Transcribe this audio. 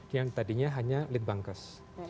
yang tadinya hanya lead bankers